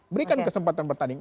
berikan kesempatan bertanding